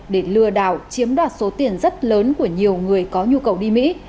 để lừa đảo chiếm đoạt số tiền rất lớn của nhiều người có nhu cầu đi mỹ